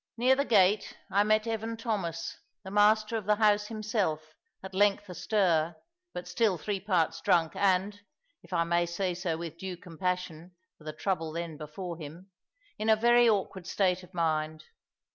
Near the gate I met Evan Thomas, the master of the house himself, at length astir, but still three parts drunk, and if I may say so with due compassion for the trouble then before him in a very awkward state of mind.